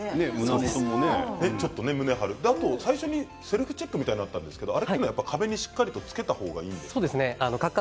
最初にセルフチェックがあったんですけど壁にしっかりつけた方がいいんですか。